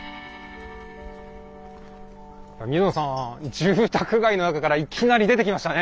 住宅街の中からいきなり出てきましたね。